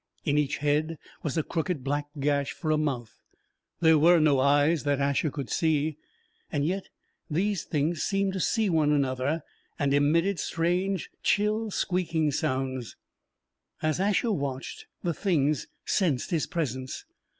In each head was a crooked black gash for a mouth. There were no eyes that Asher could see. Yet, these Things seemed to see one another, and emitted strange, chill, squeaking sounds! As Asher watched, the Things sensed his presence.